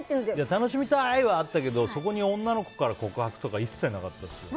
楽しみたい！はあったけどそこに女の子から告白とか一切なかったですよ。